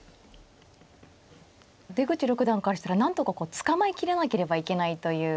出口六段からしたらなんとか捕まえきれなければいけないという。